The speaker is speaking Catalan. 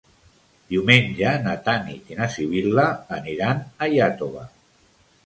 Diumenge na Tanit i na Sibil·la aniran a Iàtova.